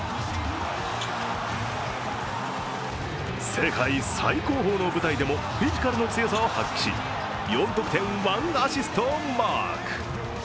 世界最高峰の舞台でもフィジカルの強さを発揮し、４得点１アシストをマーク。